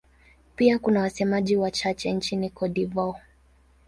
Pia kuna wasemaji wachache nchini Cote d'Ivoire.